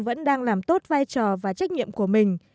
việt nam vẫn đang làm tốt vai trò và trách nhiệm của mình